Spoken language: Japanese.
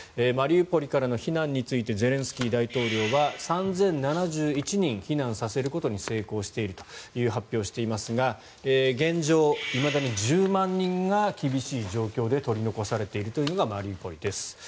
マリウポリからの避難についてゼレンスキー大統領は３０７１人、避難させることに成功しているという発表をしていますが現状、いまだに１０万人が厳しい状況で取り残されているというのがマリウポリです。